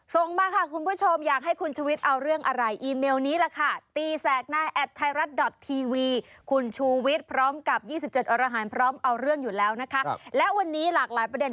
ส่งมาค่ะคุณผู้ชมอยากให้คุณชูวิชเอาเรื่องอะไร